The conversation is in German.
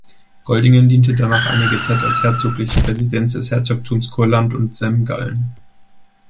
Goldingen diente danach einige Zeit als herzogliche Residenz des Herzogtums Kurland und Semgallen.